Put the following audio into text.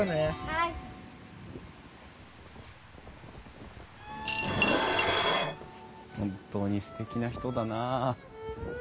いや本当にすてきな人だなあ。